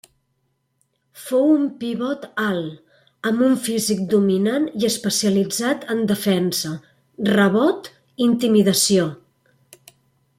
Fou un pivot alt, amb un físic dominant i especialitzat en defensa, rebot i intimidació.